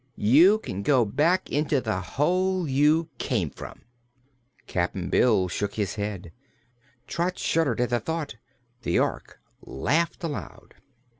"You can go back into the hole you came from." Cap'n Bill shook his head; Trot shuddered at the thought; the Ork laughed aloud.